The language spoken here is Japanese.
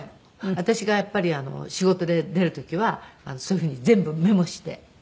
私がやっぱり仕事で出る時はそういうふうに全部メモして。